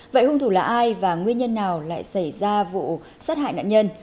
vậy hung thủ là ai và nguyên nhân nào lại xảy ra vụ sát hại nạn nhân